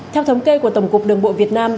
theo thống kê của tổng cục đường bộ việt nam